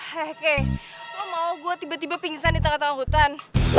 hehehe lo mau gue tiba tiba pingsan di tengah tengah hutan